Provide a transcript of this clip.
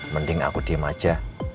mending aku diem aja